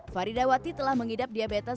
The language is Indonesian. faridawati telah mengidap diabetes